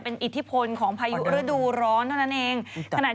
พี่ชอบแซงไหลทางอะเนาะ